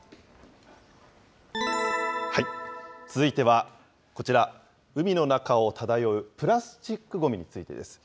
続いては、こちら、海の中を漂うプラスチックごみについてです。